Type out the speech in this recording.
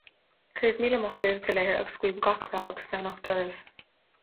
Go raibh míle maith agaibh go léir agus guím gach rath agus beannacht oraibh.